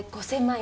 ５０００万！？